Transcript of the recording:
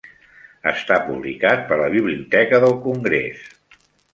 Està publicat per la Biblioteca del Congrés.